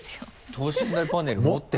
等身大パネル持って？